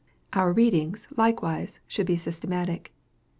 Our readings, likewise, should be systematic.